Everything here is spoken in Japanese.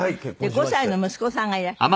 ５歳の息子さんがいらっしゃる？